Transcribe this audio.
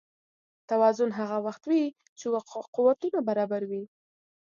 توازن هغه وخت وي چې قوتونه برابر وي.